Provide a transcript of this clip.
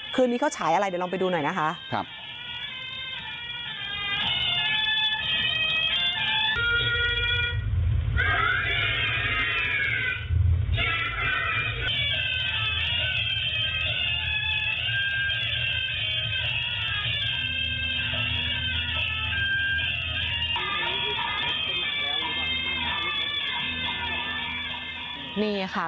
คืนนี้เขาฉายอะไรเดี๋ยวลองไปดูหน่อยนะคะ